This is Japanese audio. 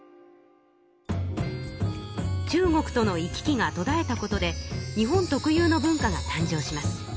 中国との行き来がとだえたことで日本特有の文化が誕生します。